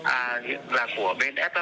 à là của bên swc ạ